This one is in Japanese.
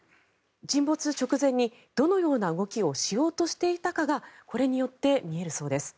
沈没直前にどのような動きをしようとしていたかがこれによって見えるそうです。